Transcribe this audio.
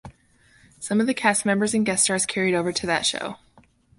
Some of the cast members and guest stars carried over to that show.